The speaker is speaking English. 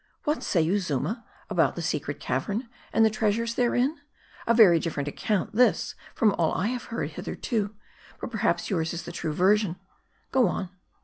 "What say you, Zuma, about the secret cavern, and the treasures therein ? A very different account, this, from all I have heard hitherto ; but perhaps yours is the true version. Go on."